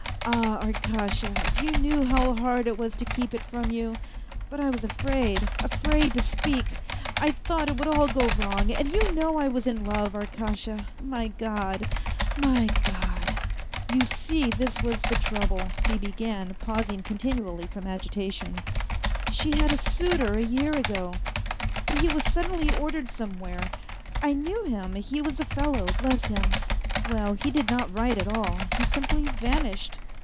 Ah, Arkasha, if you knew how hard it was to keep it from you ; but I was afraid, afraid to speak ! I thought it would all go wrong, and you know I was in love, Arkasha ! My God ! my God ! You see this was the trouble," he began, pausing continually from agitation, " she had a suitor a year ago, but he was suddenly ordered somewhere ; 160 A FAINT HEART I knew him he was a fellow, bless him 1 Well, he did not write at all, he simply vanished.